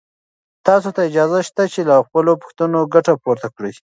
تاسو ته اجازه شته چې له خپلو پوښتنو ګټه پورته کړئ.